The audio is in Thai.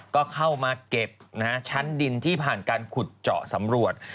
ก็เข้ามาเก็บชั้นดินที่ผ่านการขุดเจาะสำรวจ